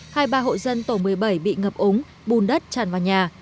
hai ba hội dân tổ một mươi bảy bị ngập úng bùn đất chảy vào nhà